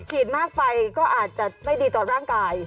มากไปก็อาจจะไม่ดีต่อร่างกาย